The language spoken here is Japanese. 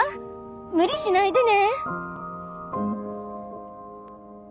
無理しないでね。